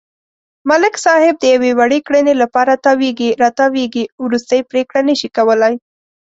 ملک صاحب د یوې وړې کړنې لپاره تاوېږي را تاووېږي، ورستۍ پرېکړه نشي کولای.